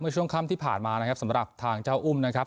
ช่วงค่ำที่ผ่านมานะครับสำหรับทางเจ้าอุ้มนะครับ